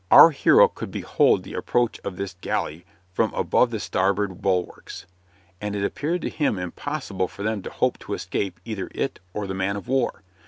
Our hero could behold the approach of this galley from above the starboard bulwarks, and it appeared to him impossible for them to hope to escape either it or the man of war.